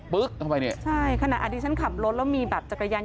ปึ๊กเข้าไปใช่ขณะอาทิตย์ฉันขับรถแล้วมีแบบจักรยานยนต์